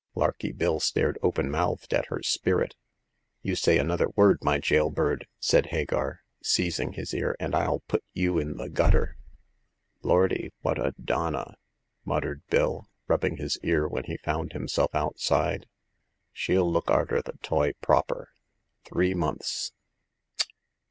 Larky Bill stared open mouthed at her spirit. "You say another word, my jail bird," said Hagar, seizing his ear, ^* and FU put you into the gutter! "" Lordy ! what a donah !" muttered Bill, rub bing his ear when he found himself outside. She'll look arter the toy proper. Three months.